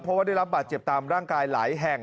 เพราะว่าได้รับบาดเจ็บตามร่างกายหลายแห่ง